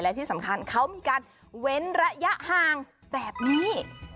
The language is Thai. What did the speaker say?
และที่สำคัญเขามีการเว้นระยะห่างแบบนี้